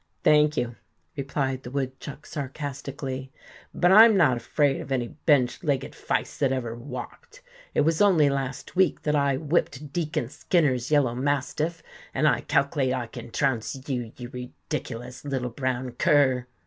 "Thank you," replied the woodchuck, sarcastically, "but I'm not afraid of any bench legged fyste that ever walked. It was only last week that I whipped Deacon Skinner's yellow mastiff, and I calc'late I can trounce you, you ridiculous little brown cur!"